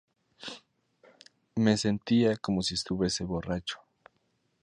Me sentía como si estuviese borracho.